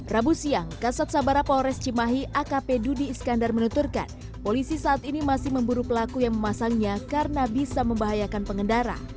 rabu siang kasat sabara polres cimahi akp dudi iskandar menuturkan polisi saat ini masih memburu pelaku yang memasangnya karena bisa membahayakan pengendara